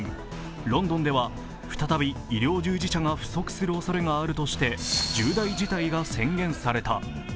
ロンドンでは再び医療従事者が不足するおそれがあるとして重大事態が宣言された。